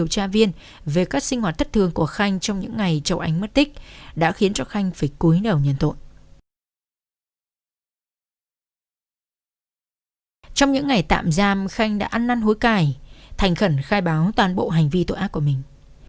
trong những ngày tạm giam khanh đã ăn năn hối cài thành khẩn khai báo toàn bộ hành vi tội ác của mình